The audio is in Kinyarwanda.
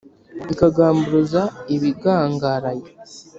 ikagamburuza ibigangaraye